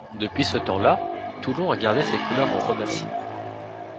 Depuis ce temps-là, Toulon a gardé ces couleurs en remerciement.